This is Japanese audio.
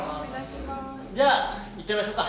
じゃあいっちゃいましょうか。